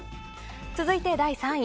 続いて、第３位。